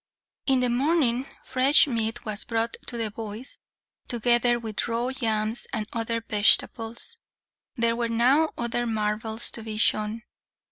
In the morning fresh meat was brought to the boys, together with raw yams and other vegetables. There were now other marvels to be shown.